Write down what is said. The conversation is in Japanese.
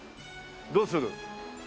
どうする？